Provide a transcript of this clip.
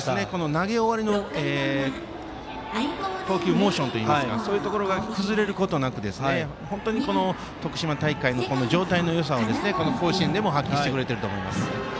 投げ終わりの投球モーションといいますかそういうところが崩れず徳島大会の状態のよさを甲子園でも発揮していると思います。